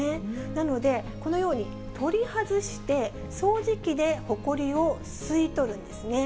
なので、このように取り外して、掃除機でほこりを吸い取るんですね。